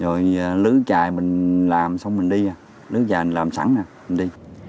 rồi lứ chài mình làm xong mình đi lứ chài mình làm sẵn nè